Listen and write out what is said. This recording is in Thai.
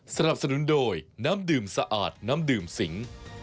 สนับสนุนโดยน้ำดื่มสะอาดน้ำดื่มสิง